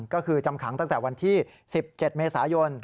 ก็คือจำขังตั้งแต่วันที่๑๗เมษายน